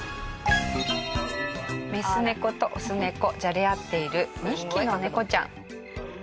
メス猫とオス猫じゃれ合っている２匹の猫ちゃん。